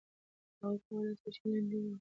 هغې کولای سوای چې لنډۍ ووایي.